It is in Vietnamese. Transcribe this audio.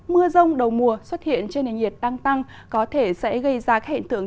mưa rông đầu mùa xuất hiện trên nền nhiệt tăng tăng có thể sẽ gây ra hệ tượng